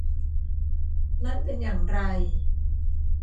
นั่นเป็นอย่างไร